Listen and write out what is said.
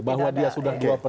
bahwa dia sudah dua per tiga oke